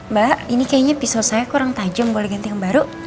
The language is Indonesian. mbak ini kayaknya pisau saya kurang tajam boleh ganti yang baru